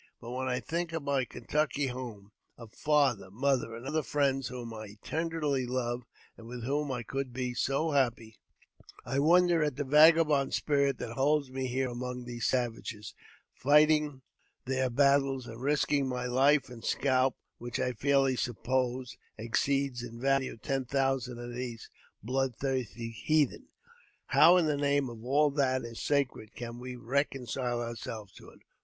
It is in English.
But when I think of my old Kentucky home — of father, mother, and other friends whom I tenderly love, and with whom I could be so happy, I wonder at the vagabond spirit that holds me here among these savages, fighting their battles^ and risking my life and scalp, which I fairly suppose exceeds in value ten thousand of these blood thirsty heathen. How, in the name of all that is sacred, can we reconcile ourselves to it